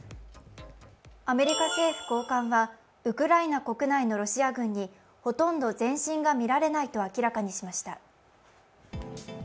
アメリカ政府高官はウクライナ国内のロシア軍にほとんど前進が見られないと明らかにしました。